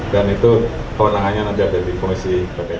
dan itu kewenangannya nanti ada di komisi kode etik